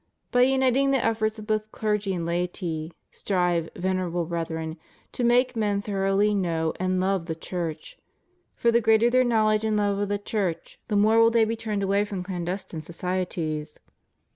By uniting the efforts of both clergy and laity, strive, Vener able Brethren, to make men thoroughly know and love the Church; for the greater their knowledge and love of the Church, the more will they be turned away from clandestine societies.